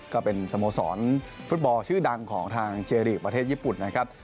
ก็เป็นสโมสรฟุตบอลชื่อดังของทางเจรีย์ประเทศญี่ปุ่นนะครับ